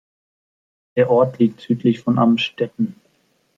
Der Ort liegt südlich von Amstetten.